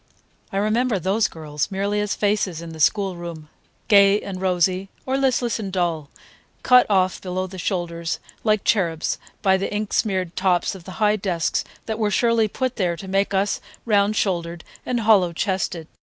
I remember those girls merely as faces in the schoolroom, gay and rosy, or listless and dull, cut off below the shoulders, like cherubs, by the ink smeared tops of the high desks that were surely put there to make us round shouldered and hollow chested.